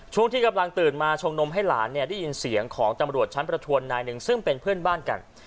ช่วงที่กำลังตื่นมาชงนมให้หลานเนี่ยได้ยินเสียงของตำรวจชั้นประทวนนายหนึ่งซึ่งเป็นเพื่อนบ้านกัน